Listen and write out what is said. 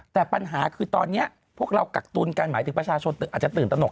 แต่ปัญหาคือตอนนี้พวกเรากักตุลกันหมายถึงประชาชนอาจจะตื่นตนก